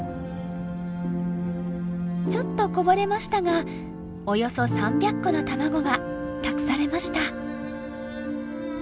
ちょっとこぼれましたがおよそ３００個の卵が託されました。